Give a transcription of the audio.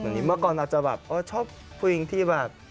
เมื่อก่อนอาจจะแบบชอบผู้หญิงที่แบบ